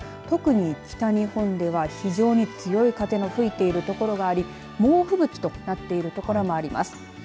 特に北日本では非常に強い風の吹いている所があり猛ふぶきとなっている所もあります。